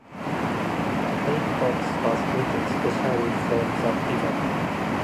"Paint Box" was written specially for the event.